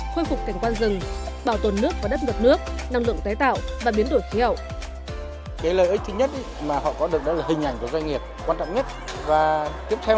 khôi phục cảnh quan rừng bảo tồn nước và đất ngập nước năng lượng tái tạo và biến đổi khí hậu